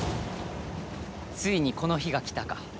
ついにこの日が来たか。